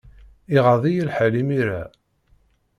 Iɣaḍ-iyi lḥal imir-a.